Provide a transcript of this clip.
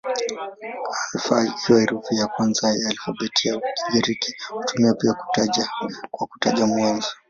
Alfa ikiwa herufi ya kwanza ya alfabeti ya Kigiriki hutumiwa pia kwa kutaja mwanzo.